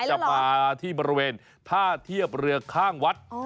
จะมาที่บริเวณท่าเทียบเรือข้างวัด